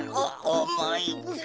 おおもい。